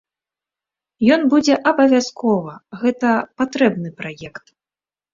Ён будзе абавязкова, гэта патрэбны праект.